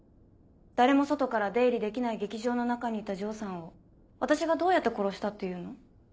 誰も外から出入りできない劇場の中にいた城さんを私がどうやって殺したっていうの？